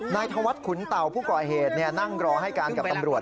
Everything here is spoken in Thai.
นายธวรรษขุนเต่าผู้กอเหตุนั่งรอให้กับตำรวจ